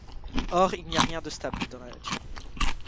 Or il n'y a rien de stable dans la nature.